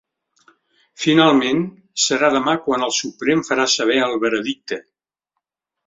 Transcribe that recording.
Finalment, serà demà quan el Suprem farà saber el veredicte.